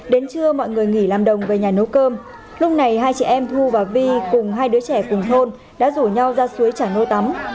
đến trưa mọi người nghỉ làm đồng về nhà nấu cơm lúc này hai chị em thu và vi cùng hai đứa trẻ cùng thôn đã rủ nhau ra suối trả nô tắm